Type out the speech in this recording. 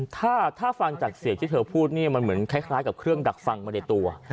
ถ้าฟังจากเสียงที่เธอพูดเนี่ยมันเหมือนคล้ายกับเครื่องดักฟังมาในตัว